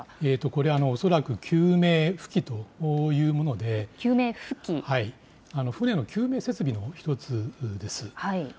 これは恐らく救命浮器というもので船の救命設備の１つです。